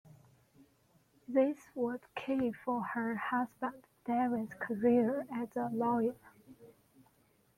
This was key for her husband David's career as a lawyer.